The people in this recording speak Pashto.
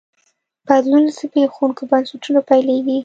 بدلون له زبېښونکو بنسټونو پیلېږي.